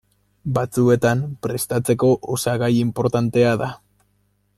Batzuetan, prestatzeko osagai inportantea da.